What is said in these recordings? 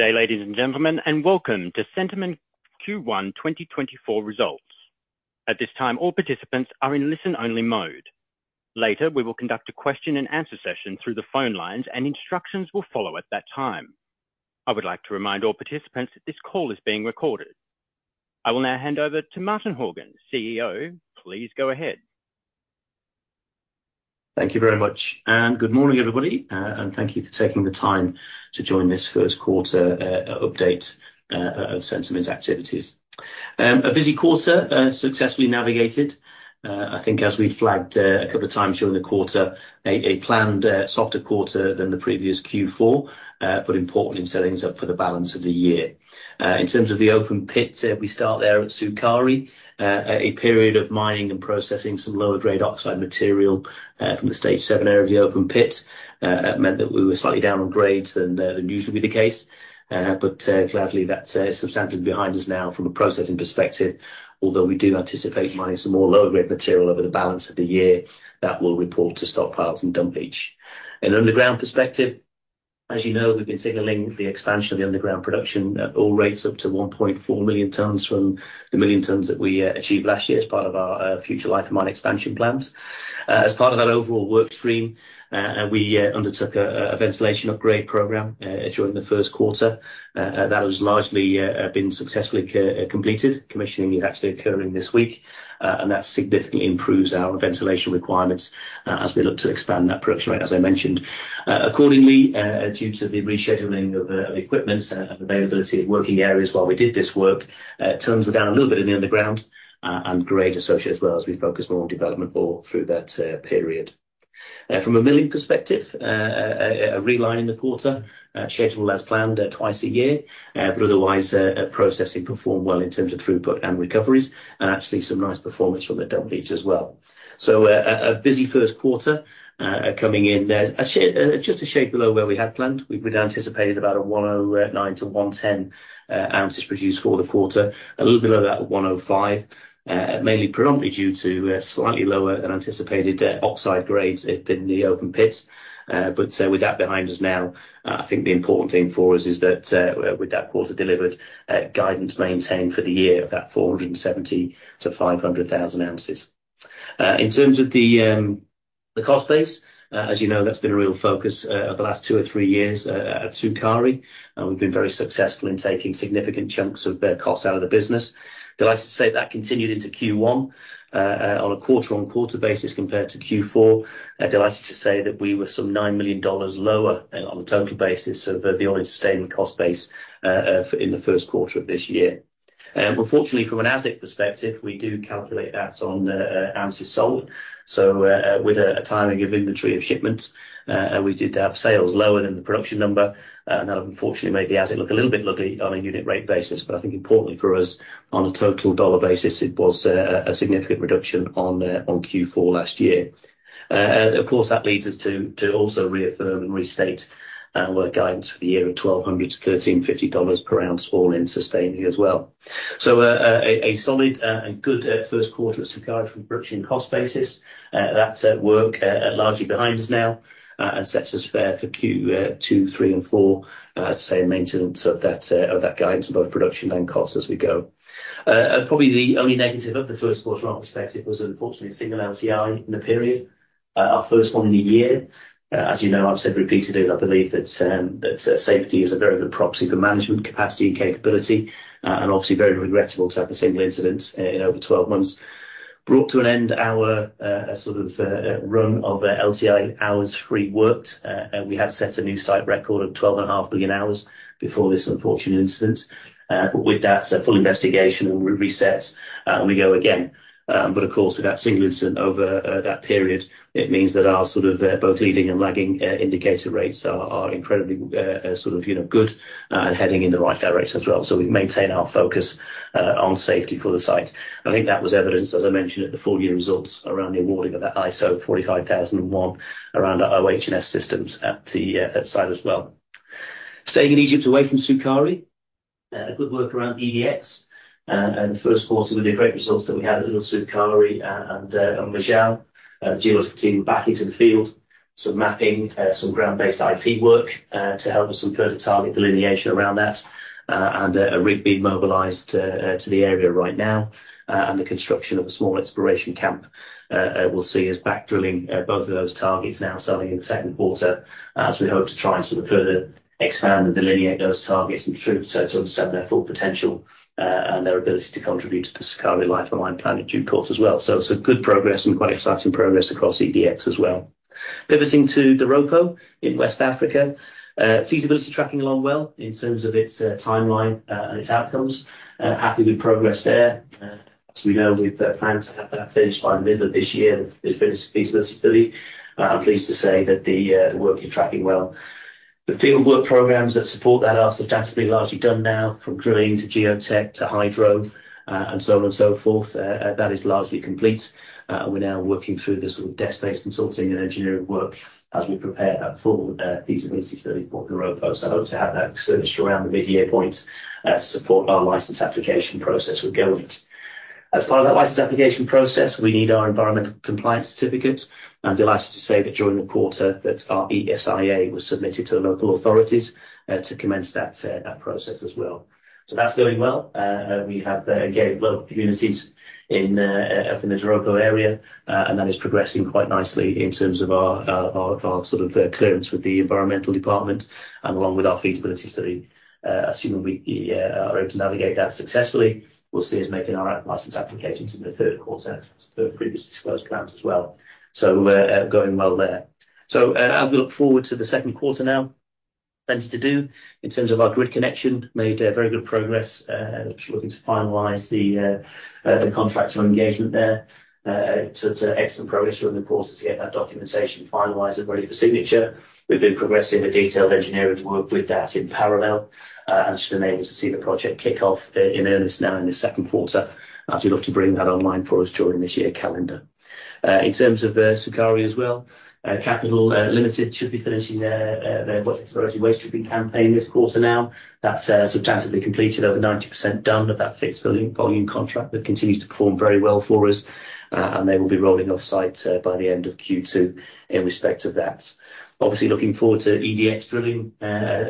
Good day, ladies and gentlemen, and welcome to Centamin Q1 2024 Results. At this time, all participants are in listen-only mode. Later, we will conduct a question and answer session through the phone lines, and instructions will follow at that time. I would like to remind all participants that this call is being recorded. I will now hand over to Martin Horgan, CEO. Please go ahead. Thank you very much, and good morning, everybody, and thank you for taking the time to join this first quarter update of Centamin's activities. A busy quarter successfully navigated. I think as we flagged a couple of times during the quarter, a planned softer quarter than the previous Q4, but important in setting us up for the balance of the year. In terms of the open pit, we start there at Sukari. A period of mining and processing some lower-grade oxide material from the Stage 7 area of the open pit meant that we were slightly down on grades than usually be the case. But gladly, that's substantially behind us now from a processing perspective, although we do anticipate mining some more lower-grade material over the balance of the year, that we'll report to stockpiles and dump leach. From an underground perspective, as you know, we've been signaling the expansion of the underground production at ore rates up to 1.4 million tons from the 1 million tons that we achieved last year as part of our future life-of-mine expansion plans. As part of that overall work stream, we undertook a ventilation upgrade program during the first quarter. That has largely been successfully completed. Commissioning is actually occurring this week, and that significantly improves our ventilation requirements as we look to expand that production rate, as I mentioned. Accordingly, due to the rescheduling of the equipment and availability of working areas while we did this work, tons were down a little bit in the underground, and grade associated as well, as we focused on more development ore through that period. From a milling perspective, a reline in the quarter, scheduled as planned, twice a year. But otherwise, processing performed well in terms of throughput and recoveries, and actually some nice performance from the dump leach as well. So, a busy first quarter, coming in just a shade below where we had planned. We'd anticipated about 109-110 ounces produced for the quarter. A little below that, 105, mainly predominantly due to, slightly lower than anticipated, oxide grades in the open pits. But, with that behind us now, I think the important thing for us is that, with that quarter delivered, guidance maintained for the year of that 470,000-500,000 ounces. In terms of the, the cost base, as you know, that's been a real focus, over the last two or three years, at Sukari, and we've been very successful in taking significant chunks of their costs out of the business. Delighted to say that continued into Q1. On a quarter-on-quarter basis, compared to Q4, I'm delighted to say that we were some $9 million lower on a total basis, so the only sustainable cost base in the first quarter of this year. Unfortunately, from an asset perspective, we do calculate that on ounces sold. So, with a timing of inventory of shipments, we did have sales lower than the production number. That unfortunately made the asset look a little bit ugly on a unit rate basis, but I think importantly for us, on a total dollar basis, it was a significant reduction on Q4 last year. Of course, that leads us to also reaffirm and restate our guidance for the year of $1,200-$1,350 per ounce, all in sustaining as well. So, a solid and good first quarter at Sukari from production cost basis. That work largely behind us now, and sets us fair for Q2, Q3, and Q4, say, maintenance of that of that guidance in both production and costs as we go. Probably the only negative of the first quarter perspective was unfortunately a single LTI in the period, our first one in a year. As you know, I've said repeatedly that I believe that safety is a very good proxy for management capacity and capability, and obviously very regrettable to have a single incident in over 12 months. Brought to an end our sort of run of LTI hours free worked. We had set a new site record of 12.5 million hours before this unfortunate incident. But with that, a full investigation and reset, and we go again. But of course, with that single incident over that period, it means that our sort of both leading and lagging indicator rates are incredibly sort of you know good and heading in the right direction as well. So we maintain our focus on safety for the site. I think that was evidenced, as I mentioned, at the full-year results around the awarding of that ISO 45001 around our OH&S systems at the site as well. Staying in Egypt, away from Sukari, a good work around EDX, and the first quarter with the great results that we had at Sukari, and on Umm Majal. Geological team back into the field, some mapping, some ground-based IP work, to help us with further target delineation around that, and a rig being mobilized to the area right now, and the construction of a small exploration camp, we'll see us back drilling both of those targets now starting in the second quarter, as we hope to try and sort of further expand and delineate those targets and to understand their full potential, and their ability to contribute to the Sukari life of mine plan in due course as well. So it's a good progress and quite exciting progress across EDX as well. Pivoting to the Doropo in West Africa, feasibility tracking along well in terms of its timeline, and its outcomes. Happy with progress there. As we know, we've planned to have that finished by the middle of this year, the feasibility. I'm pleased to say that the work is tracking well. The field work programs that support that are substantially largely done now, from drilling to geotech to hydro, and so on and so forth. That is largely complete. We're now working through the sort of desk-based consulting and engineering work as we prepare that full feasibility study for Doropo. So I hope to have that finished around the mid-year point, to support our license application process with government. As part of that license application process, we need our environmental compliance certificates. I'm delighted to say that during the quarter that our ESIA was submitted to the local authorities to commence that process as well. So that's going well. We have, again, well, communities in up in the Doropo area, and that is progressing quite nicely in terms of our sort of clearance with the environmental department and along with our feasibility study. Assuming we are able to navigate that successfully, we'll see us making our license applications in the third quarter as per previously disclosed plans as well. So, going well there. So, as we look forward to the second quarter now, plenty to do. In terms of our grid connection, made very good progress, just looking to finalize the contractual engagement there. So excellent progress during the quarter to get that documentation finalized and ready for signature. We've been progressing the detailed engineering work with that in parallel, and should enable us to see the project kick off in earnest now in the second quarter, as we look to bring that online for us during this year calendar. In terms of Sukari as well, Capital Limited should be finishing their waste recovery campaign this quarter now. That's substantially completed, over 90% done of that fixed volume contract that continues to perform very well for us. And they will be rolling offsite by the end of Q2 in respect of that. Obviously, looking forward to EDX drilling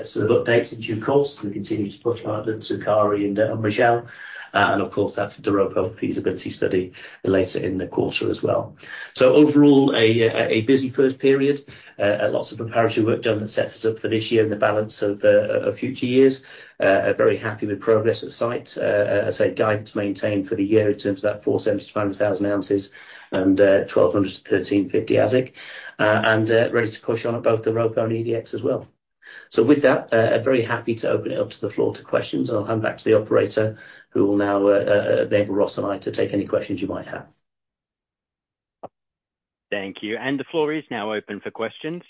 sort of updates in due course. We continue to push hard on Sukari and on Rochelle, and of course, that Doropo feasibility study later in the quarter as well. So overall, a busy first period. Lots of preparatory work done that sets us up for this year and the balance of future years. Very happy with progress at site. As I said, guidance maintained for the year in terms of that 400,000-500,000 ounces and $1,200-$1,350 AISC. And ready to push on at both the Doropo and EDX as well. So with that, I'm very happy to open it up to the floor to questions, and I'll hand back to the operator, who will now enable Ross and I to take any questions you might have. Thank you. The floor is now open for questions.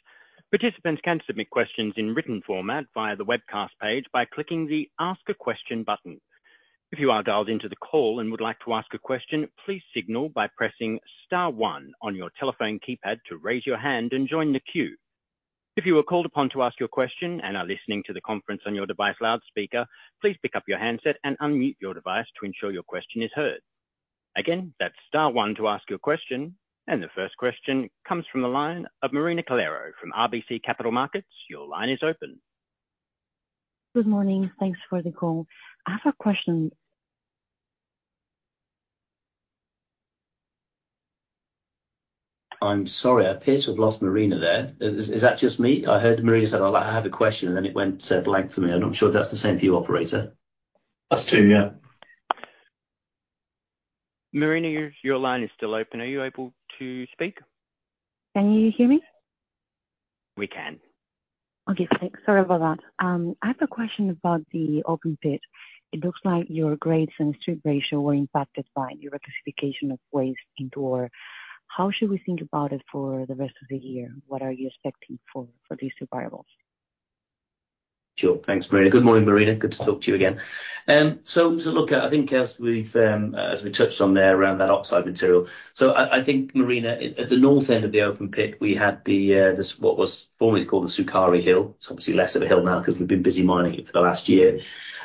Participants can submit questions in written format via the webcast page by clicking the Ask a Question button. If you are dialed into the call and would like to ask a question, please signal by pressing star one on your telephone keypad to raise your hand and join the queue. If you are called upon to ask your question and are listening to the conference on your device loudspeaker, please pick up your handset and unmute your device to ensure your question is heard. Again, that's star one to ask your question. The first question comes from the line of Marina Calero from RBC Capital Markets. Your line is open. Good morning. Thanks for the call. I have a question- I'm sorry, I appear to have lost Marina there. Is that just me? I heard Marina said, "I have a question," and then it went blank for me. I'm not sure if that's the same for you, operator. Us, too, yeah. Marina, your, your line is still open. Are you able to speak? Can you hear me? We can. Okay, thanks. Sorry about that. I have a question about the open pit. It looks like your grades and strip ratio were impacted by your reclassification of waste into ore. How should we think about it for the rest of the year? What are you expecting for these two variables? Sure. Thanks, Marina. Good morning, Marina. Good to talk to you again. So look, I think as we touched on there around that oxide material, so I think, Marina, at the north end of the open pit, we had this what was formerly called the Sukari Hill. It's obviously less of a hill now because we've been busy mining it for the last year.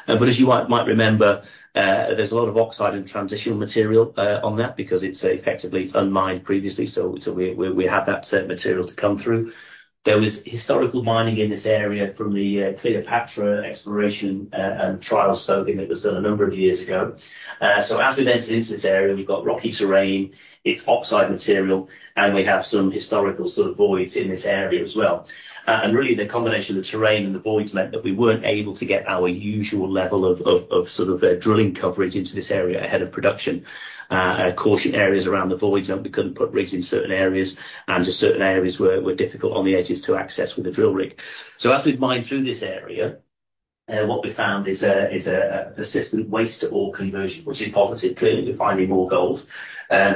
But as you might remember, there's a lot of oxide and transitional material on that because it's effectively, it's unmined previously, so we have that set material to come through. There was historical mining in this area from the Cleopatra exploration and trial scoping that was done a number of years ago. So as we entered into this area, we've got rocky terrain, it's oxide material, and we have some historical sort of voids in this area as well. And really, the combination of the terrain and the voids meant that we weren't able to get our usual level of sort of drilling coverage into this area ahead of production. Caution areas around the voids meant we couldn't put rigs in certain areas, and just certain areas were difficult on the edges to access with a drill rig. So as we've mined through this area, what we found is a persistent waste-to-ore conversion, which is positive. Clearly, we're finding more gold.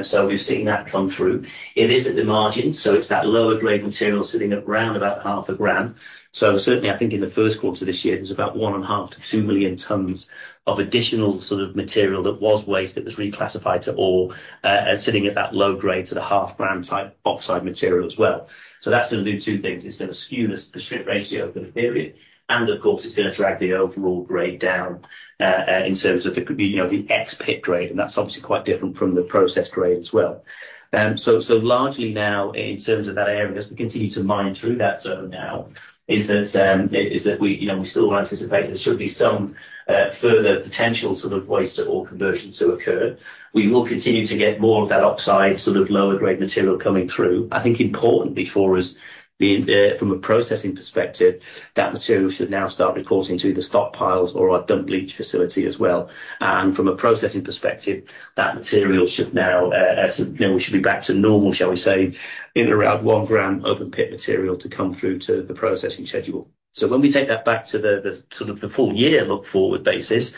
So we've seen that come through. It is at the margin, so it's that lower-grade material sitting at around about half a gram. So certainly, I think in the first quarter this year, there's about 1.5-2 million tons of additional sort of material that was waste, that was reclassified to ore, and sitting at that low grade to the 0.5 gram type oxide material as well. So that's gonna do two things: It's gonna skew the strip ratio for the period, and of course, it's gonna drag the overall grade down, in terms of the, you know, the ex-pit grade, and that's obviously quite different from the process grade as well. So largely now, in terms of that area, as we continue to mine through that zone now, is that we, you know, we still anticipate there should be some further potential sort of waste or ore conversion to occur. We will continue to get more of that oxide, sort of lower-grade material coming through. I think importantly for us, the, from a processing perspective, that material should now start reporting to the stockpiles or our dump leach facility as well. From a processing perspective, that material should now, as, you know, we should be back to normal, shall we say, in around one gram open pit material to come through to the processing schedule. So when we take that back to the, the sort of the full year look-forward basis,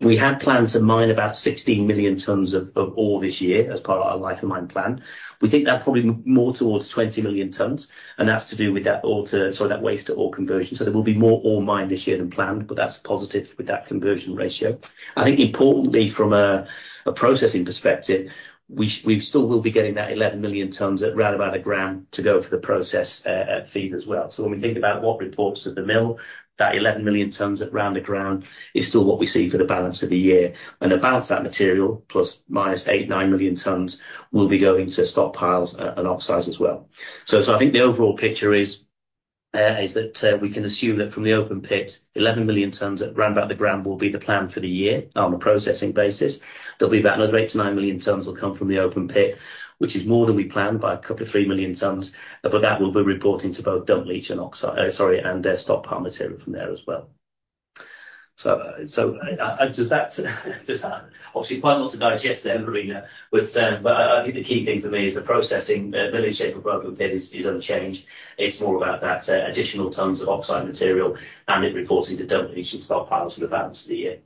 we had planned to mine about 16 million tons of, of ore this year as part of our life-of-mine plan. We think that probably more towards 20 million tons and that's to do with that ore to, sorry, that waste-to-ore conversion. So there will be more ore mined this year than planned, but that's positive with that conversion ratio. I think importantly, from a processing perspective, we still will be getting that 11 million tons at around 1 gram to go for the process feed as well. So when we think about what reports to the mill, that 11 million tons at around 1 gram is still what we see for the balance of the year. And about that material, ±8-9 million tons, will be going to stockpiles and oxide as well. So I think the overall picture is that we can assume that from the open pit, 11 million tons at around 1 gram will be the plan for the year on a processing basis. There'll be about another 8-9 million tons will come from the Open Pit, which is more than we planned by a couple of 3 million tons. But that will be reporting to both Dump Leach and Oxide, and stockpile material from there as well. Obviously, quite a lot to digest there, Marina, but I think the key thing for me is the processing. Mine shape of Open Pit is unchanged. It's more about that additional tons of Oxide material and it reporting to Dump Leach and stockpiles for the balance of the year.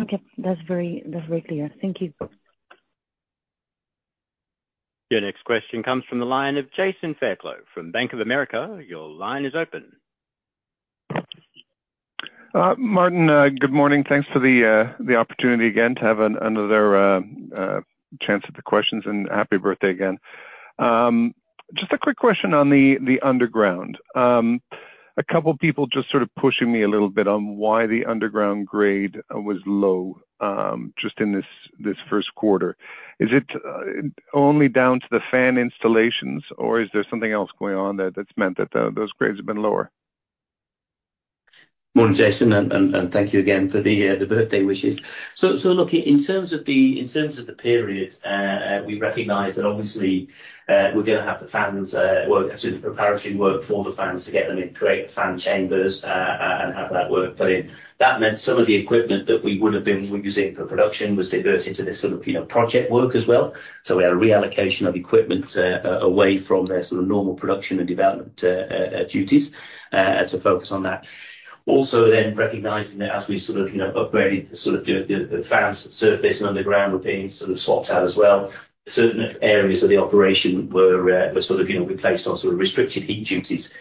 Okay. That's very, that's very clear. Thank you. Your next question comes from the line of Jason Fairclough from Bank of America. Your line is open. Martin, good morning. Thanks for the opportunity again, to have another chance at the questions, and happy birthday again. Just a quick question on the underground. A couple of people just sort of pushing me a little bit on why the underground grade was low, just in this first quarter. Is it only down to the fan installations, or is there something else going on that's meant that those grades have been lower? Morning, Jason, and thank you again for the birthday wishes. So, look, in terms of the period, we recognize that obviously, we're gonna have the fans work, doing the preparation work for the fans to get them in, create the fan chambers, and have that work put in. That meant some of the equipment that we would have been using for production was diverted to this sort of, you know, project work as well. So we had a reallocation of equipment away from the sort of normal production and development duties to focus on that. Also then recognizing that as we sort of, you know, upgraded the fans, surface and underground were being sort of swapped out as well, certain areas of the operation were sort of, you know, replaced on sort of restricted heat duties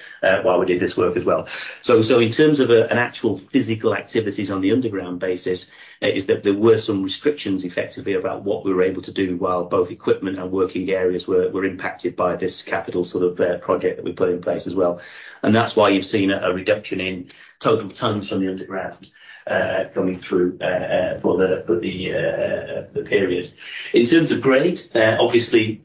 while we did this work as well. So in terms of an actual physical activities on the underground basis, is that there were some restrictions, effectively, about what we were able to do while both equipment and working areas were impacted by this capital sort of project that we put in place as well. And that's why you've seen a reduction in total tons from the underground coming through for the period. In terms of grade, obviously,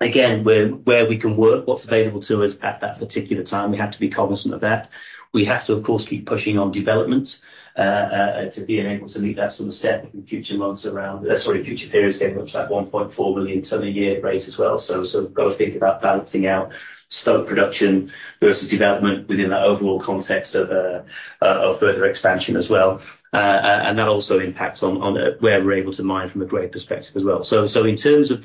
again, where, where we can work, what's available to us at that particular time, we have to be cognizant of that. We have to, of course, keep pushing on development, to being able to meet that sort of step in future months around, sorry, future periods, getting up to that 1.4 million ton a year rate as well. So, so got to think about balancing out stope production versus development within that overall context of, of further expansion as well. And that also impacts on, on, where we're able to mine from a grade perspective as well. So, in terms of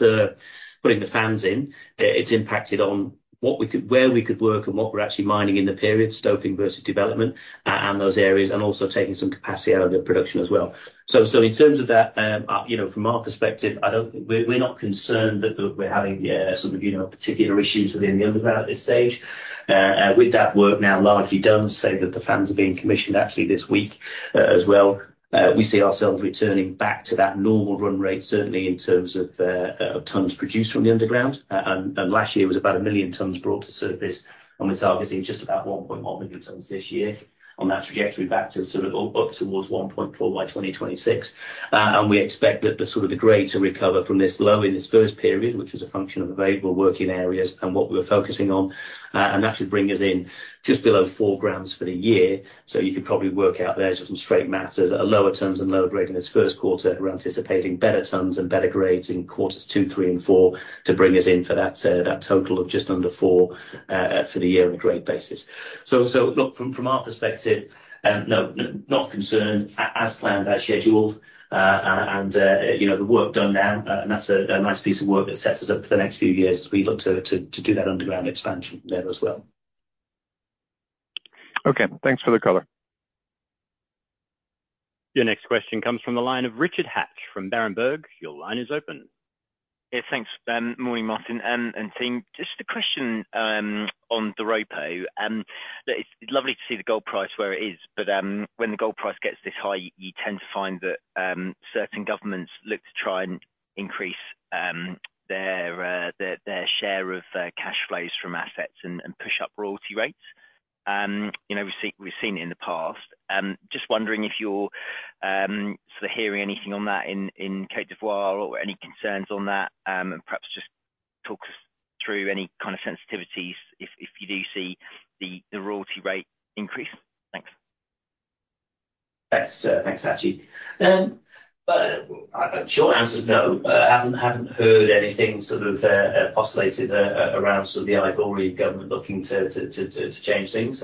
putting the fans in, it's impacted on where we could work and what we're actually mining in the period, stoping versus development, and those areas, and also taking some capacity out of the production as well. So, in terms of that, you know, from our perspective, we're, we're not concerned that we're having sort of, you know, particular issues within the underground at this stage. With that work now largely done, say that the fans are being commissioned actually this week, as well, we see ourselves returning back to that normal run rate, certainly in terms of tons produced from the underground. Last year was about 1 million tons brought to surface, and we're targeting just about 1.1 million tons this year on that trajectory back to sort of up towards 1.4 by 2026. And we expect that the sort of the grade to recover from this low in this first period, which is a function of available working areas and what we're focusing on, and that should bring us in just below 4 grams for the year. So you could probably work out there sort of some straight math, so that at lower tons and lower-grade in this first quarter, we're anticipating better tons and better grades in quarters Q2, Q3, and Q4 to bring us in for that, that total of just under 4 for the year on a grade basis. So, look, from our perspective, no, not concerned, as planned, as scheduled. And, you know, the work done now, and that's a nice piece of work that sets us up for the next few years as we look to do that underground expansion there as well. Okay, thanks for the color. Your next question comes from the line of Richard Hatch from Berenberg. Your line is open. Yeah, thanks. Morning, Martin, and team. Just a question on the repos. It's lovely to see the gold price where it is, but when the gold price gets this high, you tend to find that certain governments look to try and increase their share of cash flows from assets and push up royalty rates. You know, we've seen it in the past. Just wondering if you're sort of hearing anything on that in Côte d'Ivoire or any concerns on that, and perhaps just talk us through any kind of sensitivities if you do see the royalty rate increase. Thanks. Thanks. Thanks, Hatch. Short answer is no. I haven't heard anything sort of postulated around sort of the Ivorian government looking to change things.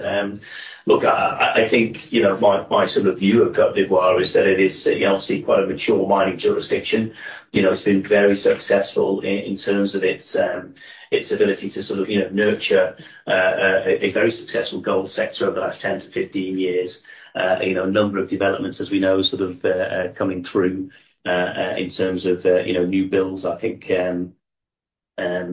Look, I think, you know, my sort of view of Côte d'Ivoire is that it is, you know, obviously quite a mature mining jurisdiction. You know, it's been very successful in terms of its ability to sort of, you know, nurture a very successful gold sector over the last 10-15 years. You know, a number of developments, as we know, sort of coming through in terms of, you know, new builds.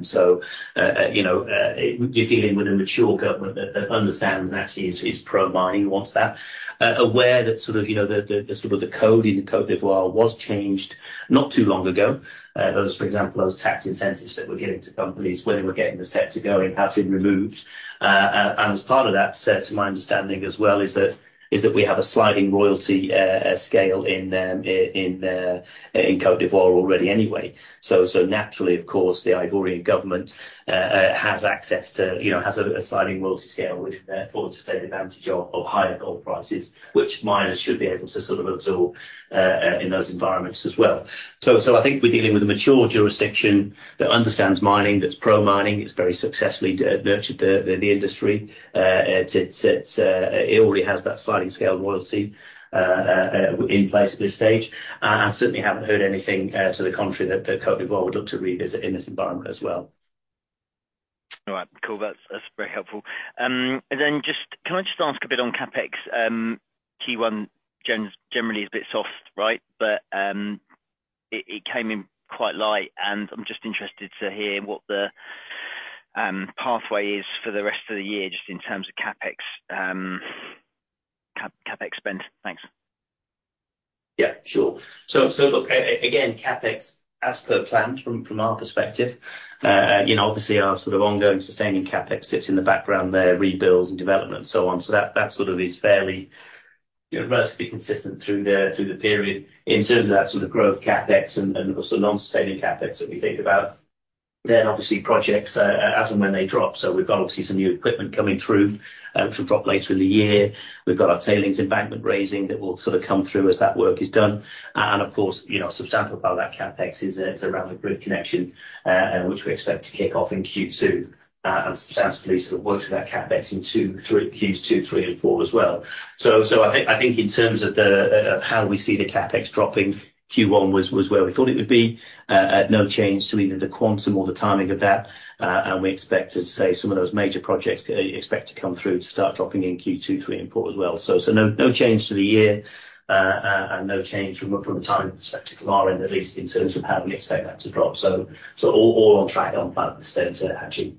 So, you know, you're dealing with a mature government that understands and actually is pro mining, wants that. Aware that sort of, you know, the sort of the code in Côte d'Ivoire was changed not too long ago. Those, for example, those tax incentives that we're giving to companies when they were getting set to go in have been removed. And as part of that, so to my understanding as well, is that we have a sliding royalty scale in Côte d'Ivoire already anyway. So naturally, of course, the Ivorian government has access to, you know, has a sliding royalty scale, which therefore to take advantage of higher gold prices, which miners should be able to sort of absorb in those environments as well. So I think we're dealing with a mature jurisdiction that understands mining, that's pro mining. It's very successfully nurtured the industry. It already has that sliding scale royalty in place at this stage. And I certainly haven't heard anything to the contrary, that the Côte d'Ivoire would look to revisit in this environment as well. All right. Cool. That's, that's very helpful. Can I just ask a bit on CapEx? Q1 generally is a bit soft, right? But, it, it came in quite light, and I'm just interested to hear what the pathway is for the rest of the year, just in terms of CapEx, CapEx spend. Thanks. Yeah, sure. So look, again, CapEx, as per planned from our perspective, you know, obviously our sort of ongoing sustaining CapEx sits in the background there, rebuilds and development and so on. So that sort of is fairly, you know, relatively consistent through the period. In terms of that sort of growth CapEx and also non-sustaining CapEx that we think about, then obviously projects, as and when they drop. So we've got obviously some new equipment coming through, which will drop later in the year. We've got our tailings embankment raising that will sort of come through as that work is done. And of course, you know, substantial about that CapEx is, it's around the grid connection, and which we expect to kick off in Q2, and substantially sort of work through that CapEx in Q2, Q3 and Q4 as well. In terms of the, of how we see the CapEx dropping, Q1 was, was where we thought it would be. No change to either the quantum or the timing of that, and we expect to say some of those major projects, expect to come through to start dropping in Q2, Q3 and Q4 as well. No change to the year, and no change from a, from a time perspective, from our end, at least in terms of how we expect that to drop. All on track and on plan at this stage, actually.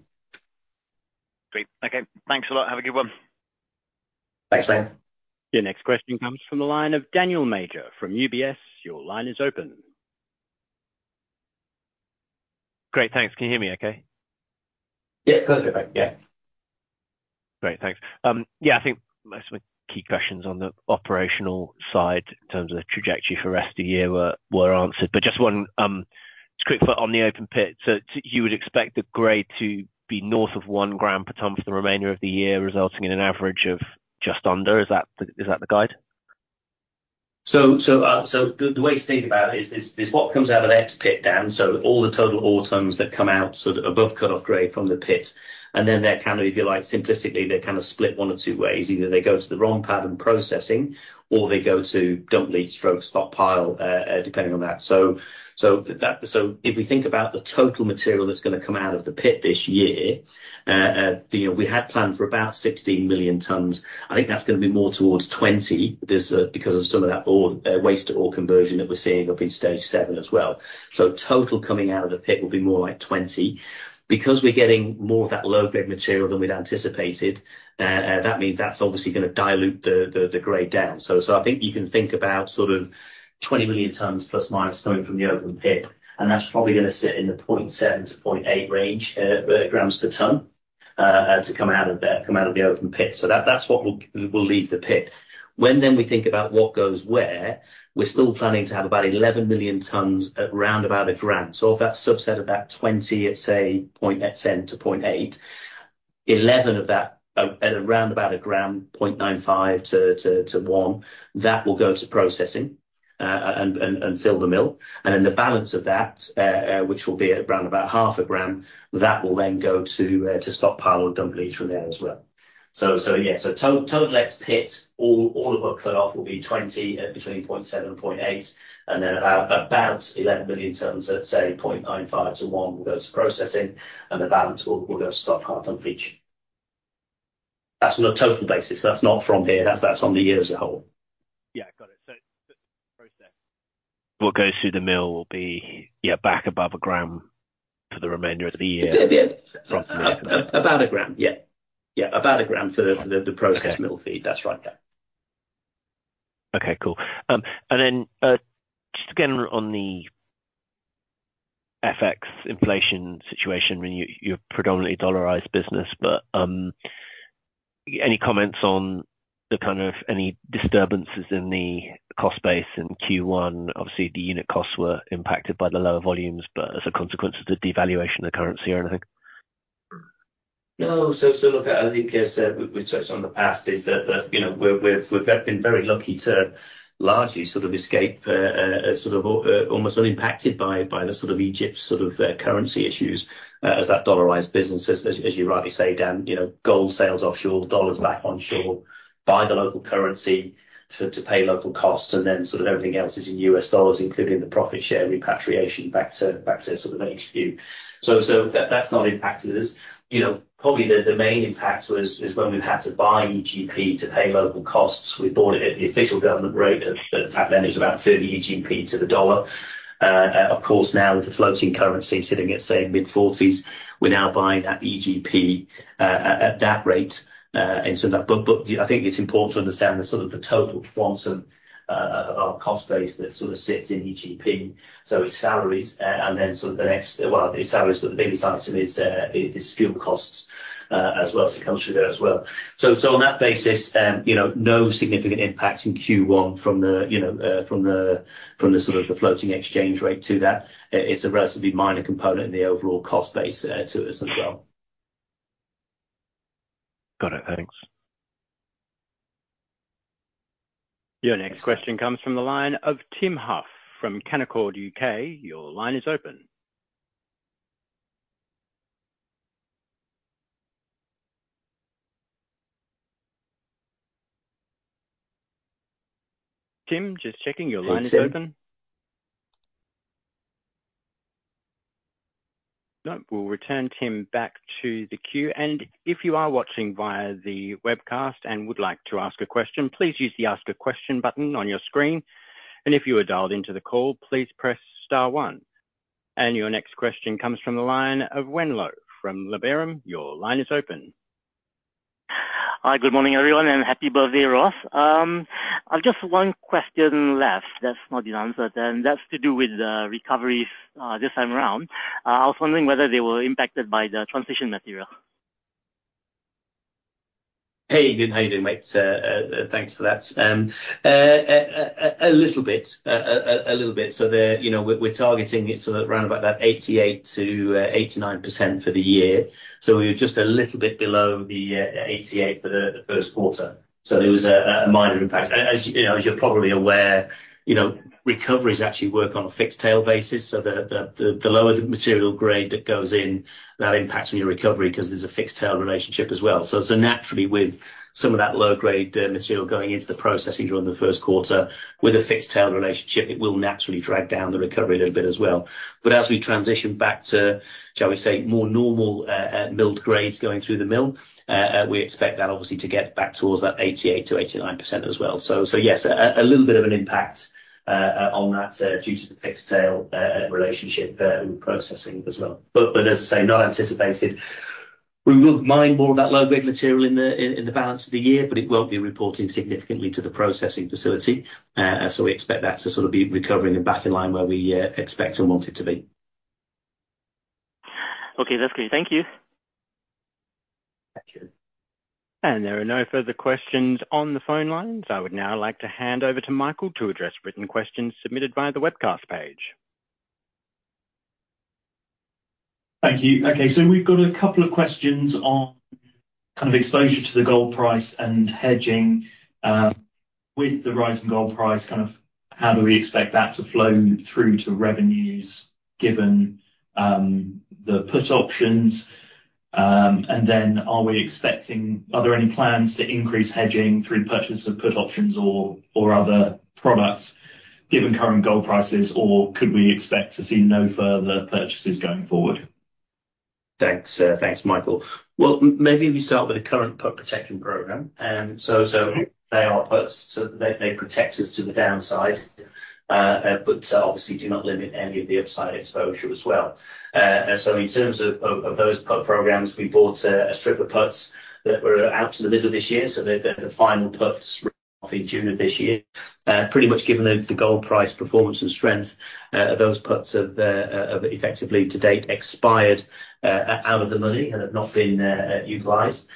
Great. Okay. Thanks a lot. Have a good one. Thanks, man. Your next question comes from the line of Daniel Major from UBS. Your line is open. Great, thanks. Can you hear me okay? Yes, perfect. Great, thanks. Most of the key questions on the operational side in terms of the trajectory for the rest of the year were answered, but just one, just a quick foot on the open pit. So you would expect the grade to be north of 1 gram per ton for the remainder of the year, resulting in an average of just under. Is that the guide? The way to think about it is what comes out of the open pit, Dan, so all the total ore tons that come out, sort of above cut-off grade from the pit, and then they're kind of, if you like, simplistically, they're kind of split one of two ways. Either they go to the ROM pad and processing, or they go to dump leach/stockpile, depending on that. So if we think about the total material that's gonna come out of the pit this year, you know, we had planned for about 16 million tons. I think that's gonna be more towards 20. There's because of some of that ore, waste-to-ore conversion that we're seeing up in Stage 7 as well. So total coming out of the pit will be more like 20. Because we're getting more of that low-grade material than we'd anticipated, that means that's obviously gonna dilute the grade down. So I think you can think about sort of 20 million tons ± coming from the open pit, and that's probably gonna sit in the 0.7-0.8 range, grams per ton, to come out of the open pit. So that's what will leave the pit. Then we think about what goes where, we're still planning to have about 11 million tons at round about a gram. So of that subset, about 20, let's say, 0.10-0.8, 11 of that at around about a gram, 0.95-1, that will go to processing and fill the mill. And then the balance of that, which will be around about half a gram, that will then go to stockpile or dump leach from there as well. So yeah, so total next pit, all of our cut off will be 20 at between 0.7 and 0.8, and then about 11 million tons at, say, 0.95-1 will go to processing, and the balance will go to stockpile dump leach. That's on a total basis. That's not from here, that's on the year as a whole. Yeah, got it. So, so what goes through the mill will be, yeah, back above a gram for the remainder of the year? From about a gram, yeah. Yeah, about a gram for the process mill feed. That's right, yeah. Okay, cool. And then, just again, on the FX inflation situation, I mean, you're a predominantly dollarized business, but, any comments on the kind of any disturbances in the cost base in Q1? Obviously, the unit costs were impacted by the lower volumes, but as a consequence of the devaluation of currency or anything? No, so look, I think as we touched on in the past, is that you know, we've been very lucky to largely sort of escape sort of almost unimpacted by the sort of Egypt sort of currency issues, as that dollarized business as you rightly say, Dan. You know, gold sales offshore, dollars back onshore, buy the local currency to pay local costs, and then sort of everything else is in US dollars, including the profit share repatriation back to sort of HQ. So that that's not impacted us. You know, probably the main impact was, is when we've had to buy EGP to pay local costs, we bought it at the official government rate, at that then it was about 30 EGP to the dollar. Of course, now with the floating currency sitting at, say, mid-forties, we're now buying that EGP at that rate, and so that, but I think it's important to understand the sort of the total quantum of our cost base that sort of sits in EGP. So it's salaries, and then sort of the next, well, it's salaries, but the biggest item is fuel costs as well, so it comes through there as well. So on that basis, you know, no significant impact in Q1 from the, you know, from the sort of the floating exchange rate to that. It's a relatively minor component in the overall cost base to us as well. Got it. Thanks. Your next question comes from the line of Tim Huff from Canaccord U.K.. Your line is open. Tim, just checking, your line is open? Hey, Tim. No, we'll return Tim back to the queue. And if you are watching via the webcast and would like to ask a question, please use the Ask a Question button on your screen, and if you are dialed into the call, please press star one. And your next question comes from the line of Yuen Low from Liberum. Your line is open. Hi, good morning, everyone, and happy birthday, Ross. I've just one question left that's not been answered, and that's to do with the recoveries, this time around. I was wondering whether they were impacted by the transition material. Hey, good. How you doing, mate? Thanks for that. A little bit. So, you know, we're targeting it sort of round about that 88%-89% for the year. So we're just a little bit below the 88% for the first quarter. So there was a minor impact. As you know, as you're probably aware, you know, recoveries actually work on a fixed tail basis, so the lower the material grade that goes in, that impacts on your recovery 'cause there's a fixed tail relationship as well. So naturally, with some of that lower-grade material going into the processing during the first quarter, with a fixed tail relationship, it will naturally drag down the recovery a little bit as well. But as we transition back to, shall we say, more normal, milled grades going through the mill, we expect that obviously to get back towards that 88%-89% as well. So yes, a little bit of an impact on that due to the fixed tail relationship and processing as well. But as I say, not anticipated. We will mine more of that low-grade material in the balance of the year, but it won't be reporting significantly to the processing facility. So we expect that to sort of be recovering and back in line where we expect and want it to be. Okay, that's great. Thank you. Thank you. There are no further questions on the phone lines. I would now like to hand over to Michael to address written questions submitted via the webcast page. Thank you. Okay, so we've got a couple of questions on kind of exposure to the gold price and hedging. With the rising gold price, kind of how do we expect that to flow through to revenues, given the put options? And then are there any plans to increase hedging through purchase of put options or other products, given current gold prices, or could we expect to see no further purchases going forward? Thanks. Thanks, Michael. Well, maybe if you start with the current put protection program, so they are puts, so they protect us to the downside, but obviously do not limit any of the upside exposure as well. So in terms of those put programs, we bought a strip of puts that were out to the middle of this year, so the final puts in June of this year. Pretty much given the gold price performance and strength, those puts have effectively to date expired out of the money and have not been utilized.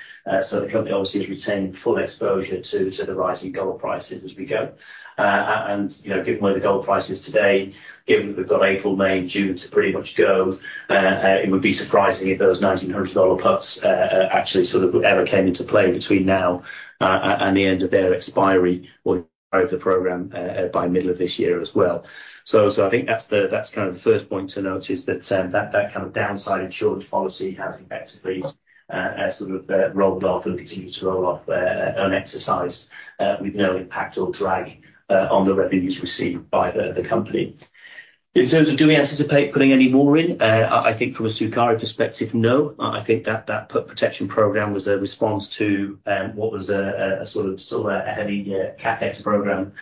So the company obviously has retained full exposure to the rising gold prices as we go. And, you know, given where the gold price is today, given that we've got April, May, and June to pretty much go, it would be surprising if those $1,900 puts actually sort of ever came into play between now and the end of their expiry or the program by middle of this year as well. So, I think that's the first point to note is that that kind of downside insurance policy has effectively sort of rolled off and continued to roll off unexercised with no impact or drag on the revenues received by the company. In terms of do we anticipate putting any more in? I think from a Sukari perspective, no. I think that put protection program was a response to what was a sort of still a heavy CapEx program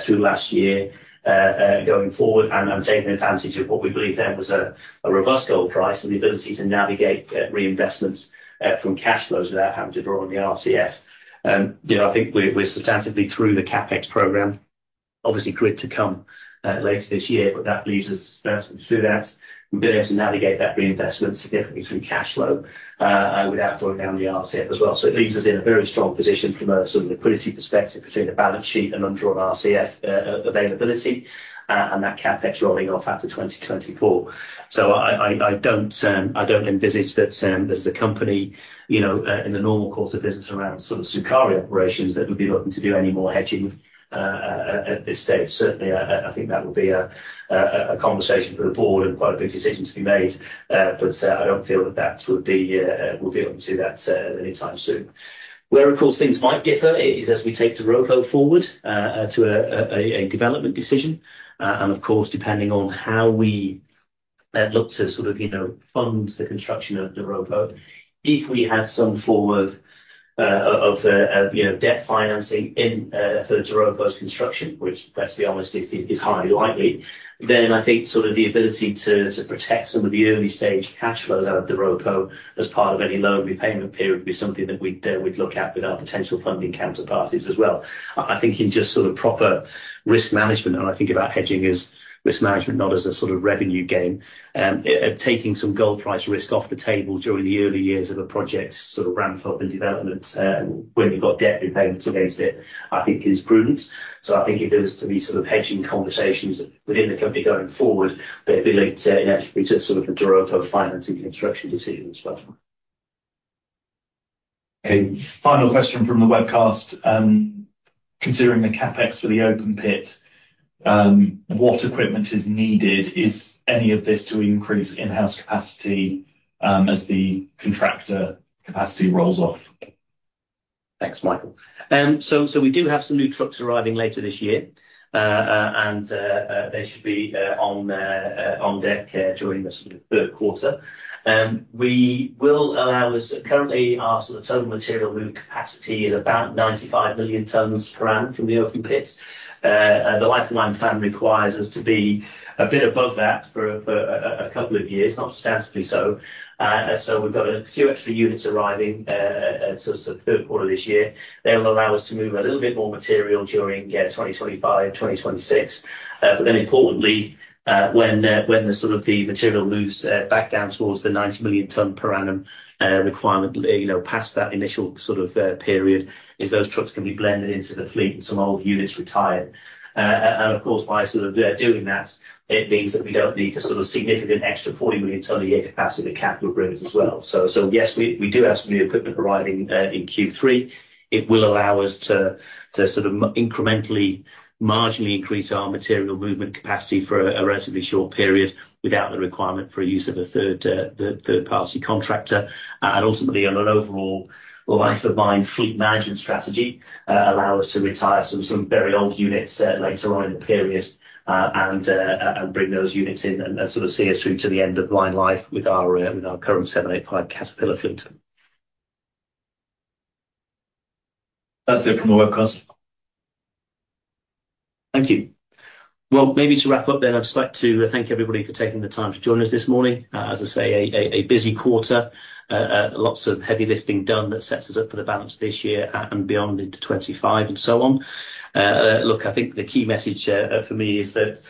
through last year going forward and taking advantage of what we believed then was a robust gold price and the ability to navigate reinvestments from cash flows without having to draw on the RCF. You know, I think we're substantially through the CapEx program, obviously, grid to come later this year, but that leaves us through that. We've been able to navigate that reinvestment significantly through cash flow without drawing down the RCF as well. So it leaves us in a very strong position from a sort of liquidity perspective between the balance sheet and undrawn RCF availability, and that CapEx rolling off after 2024. So I don't envisage that, as a company, you know, in the normal course of business around sort of Sukari operations, that we'll be looking to do any more hedging, at this stage. Certainly, I think that would be a conversation for the board and quite a big decision to be made. But, I don't feel that we'll be able to do that, anytime soon. Where, of course, things might differ is as we take the Doropo forward, to a development decision, and of course, depending on how we fund and look to fund the construction of the Doropo. If we had some form of of, you know, debt financing in for the Doropo's construction, which, let's be honest, is highly likely, then I think sort of the ability to protect some of the early-stage cash flows out of the Doropo as part of any loan repayment period would be something that we'd look at with our potential funding counterparties as well. I think in just sort of proper risk management, and I think about hedging as risk management, not as a sort of revenue game, taking some gold price risk off the table during the early years of a project's sort of ramp up and development, when you've got debt repayments against it, I think is prudent. I think if there was to be sort of hedging conversations within the company going forward, they'd be linked to, inevitably, to sort of the robo financing construction decision as well. Okay, final question from the webcast. Considering the CapEx for the Open Pit, what equipment is needed? Is any of this to increase in-house capacity, as the contractor capacity rolls off? Thanks, Michael. So we do have some new trucks arriving later this year. And they should be on deck during the sort of third quarter. Currently, our sort of total material move capacity is about 95 million tons per annum from the open pit. The life of mine plan requires us to be a bit above that for a couple of years, not substantially so. So we've got a few extra units arriving sort of third quarter this year. They'll allow us to move a little bit more material during 2025, 2026. But then importantly, when the sort of the material moves back down towards the 90 million tons per annum requirement, you know, past that initial sort of period, those trucks can be blended into the fleet, and some old units retired. And of course, by sort of doing that, it means that we don't need a sort of significant extra 40 million tons a year capacity capital raise as well. So yes, we do have some new equipment arriving in Q3. It will allow us to incrementally marginally increase our material movement capacity for a relatively short period without the requirement for a use of a third-party contractor. Ultimately, on an overall life of mine fleet management strategy, allow us to retire some very old units later on in the period, and bring those units in and sort of see us through to the end of mine life with our current 785 Caterpillar fleet. That's it from the webcast. Thank you. Well, maybe to wrap up then, I'd just like to thank everybody for taking the time to join us this morning. As I say, a busy quarter, lots of heavy lifting done that sets us up for the balance this year and beyond into 25 and so on. Look, I think the key message for me is that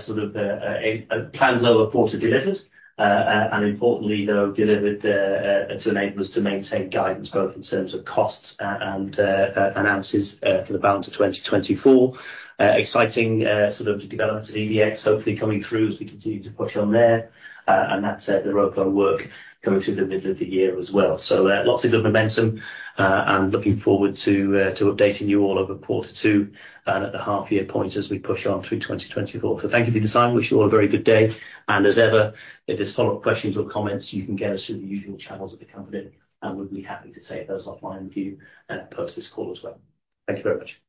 sort of a planned lower quarter delivered, and importantly, though delivered to enable us to maintain guidance both in terms of costs and ounces for the balance of 2024. Exciting sort of development at EDX, hopefully coming through as we continue to push on there. And that's the robo work going through the middle of the year as well. So, lots of good momentum, and looking forward to updating you all over quarter two and at the half year point as we push on through 2024. So thank you for your time. Wish you all a very good day, and as ever, if there's follow-up questions or comments, you can get us through the usual channels of the company, and we'd be happy to save those offline for you, post this call as well. Thank you very much.